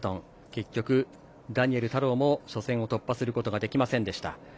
結局、ダニエル太郎も初戦を突破することができませんでした。